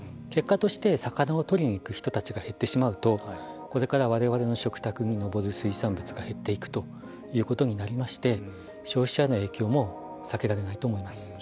結果として魚をとりに行く人たちが減ってしまうとこれから、われわれの食卓に上る水産物が減っていくということになりまして消費者の影響も避けられないと思います。